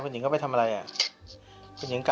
คุณหญิงเขาไปทำอะไรอ่ะคุณหญิงไก่อ่ะ